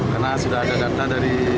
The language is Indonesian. karena sudah ada data dari